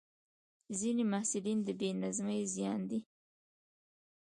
ځینې محصلین د بې نظمۍ زیان ویني.